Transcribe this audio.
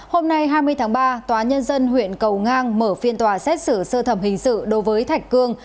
hôm nay hai mươi tháng ba tòa nhân dân huyện cầu ngang mở phiên tòa xét xử sơ thẩm hình sự đối với thạch cương